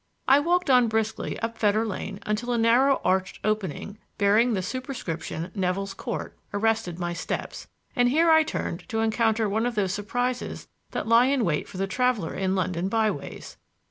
I walked on briskly up Fetter Lane until a narrow arched opening, bearing the superscription "Nevill's Court," arrested my steps, and here I turned to encounter one of those surprises that lie in wait for the traveler in London by ways.